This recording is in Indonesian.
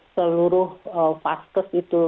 seluruh vaksinasi itu